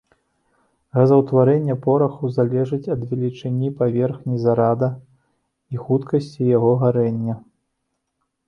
Газаўтварэнне пораху залежыць ад велічыні паверхні зарада і хуткасці яго гарэння.